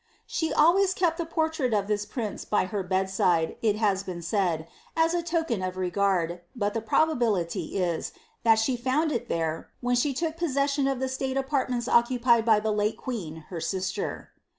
"' She always kepi iIm portrait of this prince by her bedside, it has been said, as a token of la* gard, but the probability is, that she found it there, when she took po^ session of the state apartments occupied by the late queen her aistar.